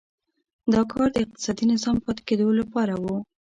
دا کار د اقتصادي نظام پاتې کېدو لپاره و.